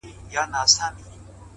• ستا په سترگو کي سندري پيدا کيږي،